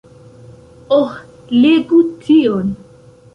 Oh, legu tion!